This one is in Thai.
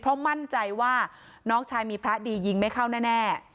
เพราะมั่นใจว่าน้องชายมีพระดียิงไม่เข้าแน่